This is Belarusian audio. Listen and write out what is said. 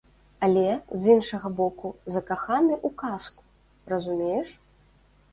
Але, з іншага боку, закаханы ў казку, разумееш?